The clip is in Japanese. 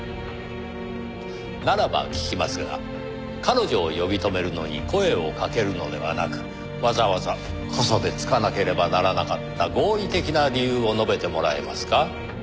ならば聞きますが彼女を呼び止めるのに声を掛けるのではなくわざわざ傘で突かなければならなかった合理的な理由を述べてもらえますか？